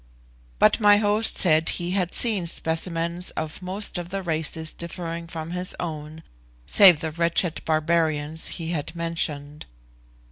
But my host said he had seen specimens of most of the races differing from his own, save the wretched barbarians he had mentioned.